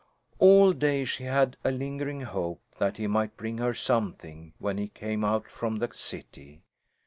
All day she had had a lingering hope that he might bring her something when he came out from the city.